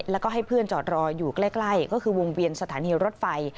แล้วก็ให้เพื่อนจอดรออยู่ใกล้ก็คือวงเวียนสถานีรถไฟ